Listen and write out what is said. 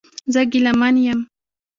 زه ګیلمن یم